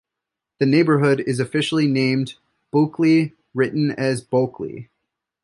The neighborhood is officially named Bulkeley, written as Bolkly.